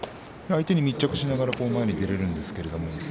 相手に密着しながら前に出るんですよね。